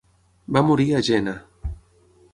Va morir a Jena.